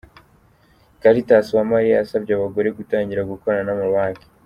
Cartas Uwamariya yasabye abagore gutangira gukorana n'amabanki.